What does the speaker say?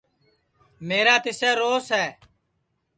میرا تِسسے روس ہے